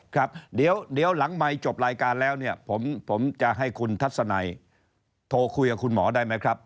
ครับเดี๋ยวหลังใหม่จบรายการแล้วเนี่ยผมจะให้คุณทัศนัยโทรคุยกับคุณหมอได้ไหมครับ